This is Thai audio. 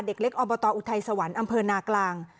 เด็กเล็กอบตอุทัยสวรรค์อำเภอนากลาง